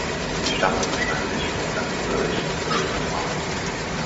Sie stammen wahrscheinlich aus Sankt Ulrich im Grödner Tal.